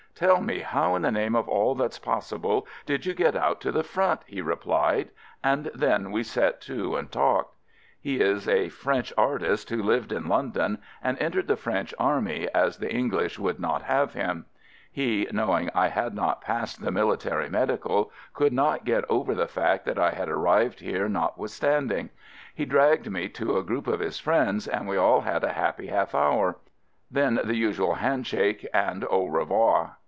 "Tell me how in the name of all that's possible, did you get out to the front," he replied, and then we set to and talked. He is a French artist who lived in London and entered the French army, as the English would not have him. He, knowing I had not passed 106 AMERICAN .AMBULANCE the "military medical," could not get over the fact that I had arrived here not withstanding. He dragged me to a group of his friends and we all had a happy half hour. Then the usual handshake and au revoir.